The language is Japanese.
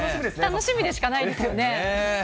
楽しみでしかないですよね。